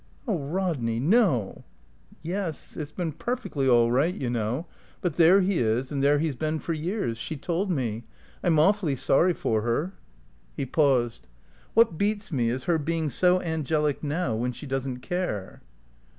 "Oh, Rodney, no." "Yes. It's been perfectly all right, you know; but there he is and there he's been for years. She told me. I'm awfully sorry for her." He paused. "What beats me is her being so angelic now, when she doesn't care."